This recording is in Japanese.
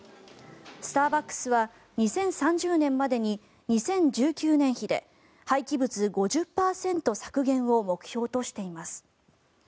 スターバックスは２０３０年までに２０１９年比で廃棄物５０％削減を目標としています。